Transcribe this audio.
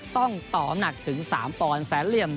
ต้องต่อน้ำหนักถึง๓ปอนด์แสนเหลี่ยม